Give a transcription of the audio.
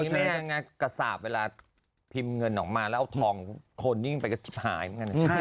มีงานงานกษาบเวลาพิมพ์เงินออกมาแล้วเอาทองคลนนิ่งไปก็หายเหมือนกัน